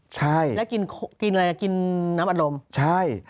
ใช่